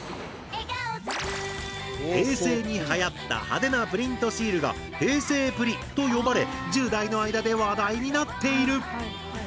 平成にはやった派手なプリントシールが「平成プリ」と呼ばれ１０代の間で話題になっている。